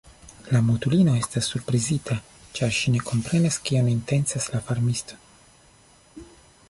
La mutulino estas surprizita, ĉar ŝi ne komprenas, kion intencas la farmisto.